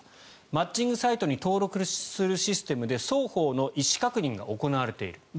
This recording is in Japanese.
マッチングサイトに登録するシステムで双方の意思確認が行われている。